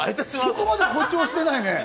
そこまで誇張してないね。